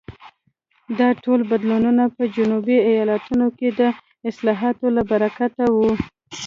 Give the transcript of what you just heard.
دا ټول بدلونونه په جنوبي ایالتونو کې د اصلاحاتو له برکته وو.